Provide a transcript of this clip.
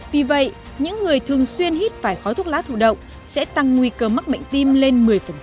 vì vậy những người thường xuyên hít phải khói thuốc lá thủ động sẽ tăng nguy cơ mắc bệnh tim lên một mươi